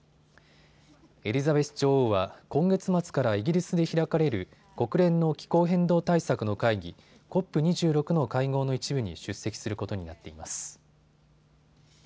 エリザベス女王は今月末からイギリスで開かれる国連の気候変動対策の会議、ＣＯＰ２６の会合の一部に出席することになっています。